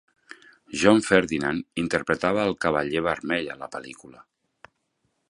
John Ferdinand interpretava el Cavaller vermell a la pel·lícula.